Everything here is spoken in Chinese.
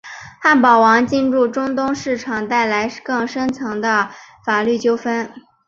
汉堡王进驻中东市场带来了更深层次的法律纠纷。